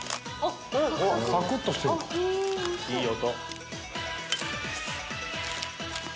いい音。